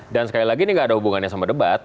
dan sekali lagi ini nggak ada hubungannya sama debat